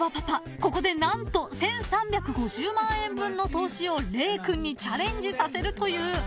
ここで何と１，３５０万円分の投資をれい君にチャレンジさせるという］